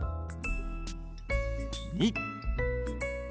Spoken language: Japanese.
２。